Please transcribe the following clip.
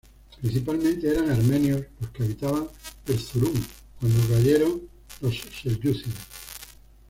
Principalmente eran armenios los que habitaban Erzurum cuando cayeron los Selyúcidas.